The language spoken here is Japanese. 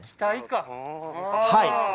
はい！